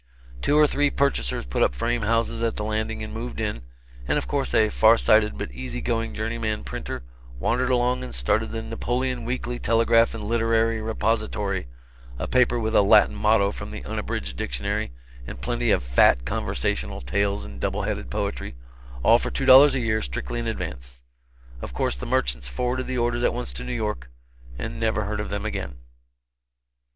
Two or three purchasers put up frame houses at the Landing and moved in, and of course a far sighted but easy going journeyman printer wandered along and started the "Napoleon Weekly Telegraph and Literary Repository" a paper with a Latin motto from the Unabridged dictionary, and plenty of "fat" conversational tales and double leaded poetry all for two dollars a year, strictly in advance. Of course the merchants forwarded the orders at once to New York and never heard of them again.